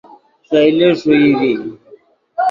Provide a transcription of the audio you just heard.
ݰئیلے ݰوئی ڤی